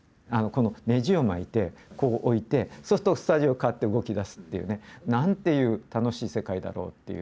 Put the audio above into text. ねじを巻いて置いてそうするとスタジオ変わって動き出すっていうね。なんていう楽しい世界だろうっていう。